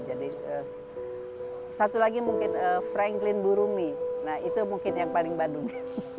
jadi satu lagi mungkin franklin burumi nah itu mungkin yang paling badunya